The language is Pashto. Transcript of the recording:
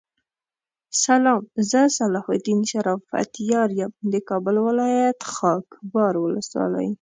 سلام زه صلاح الدین شرافت یار یم دکابل ولایت خاکحبار ولسوالی